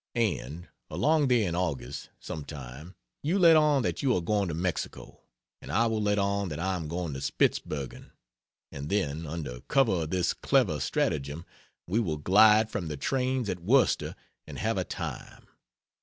And, along there in August, some time, you let on that you are going to Mexico, and I will let on that I am going to Spitzbergen, and then under cover of this clever stratagem we will glide from the trains at Worcester and have a time.